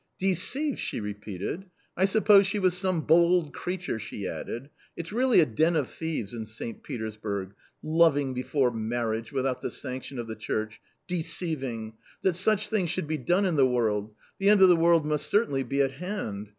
" Deceived !" she repeated. " I suppose she was some bold creature !" she added. It's really a den of thieves in St. Petersburg — loving before marriage without the sanc tion of the Church; deceiving That such things should be done in the world ! The end of the world must certainly be at hand